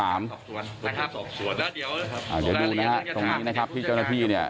อาจจะดูนะครับตรงนี้นะครับที่เจ้าหน้าที่เนี่ย